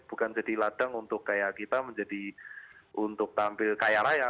bukan jadi ladang untuk kayak kita menjadi untuk tampil kaya raya